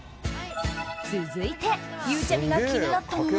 続いてゆうちゃみが気になったのが。